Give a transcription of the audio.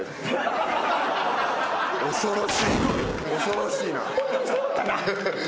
恐ろしい恐ろしいな。